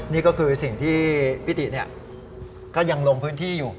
นี่ก็คือสิ่งที่พิติก็ยังลงพื้นที่อยู่